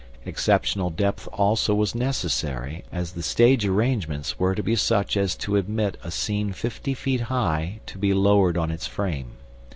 Exceptional depth also was necessary, as the stage arrangements were to be such as to admit a scene fifty feet high to be lowered on its frame.